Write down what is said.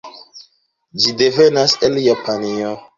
Ĝi devenas el Japanio.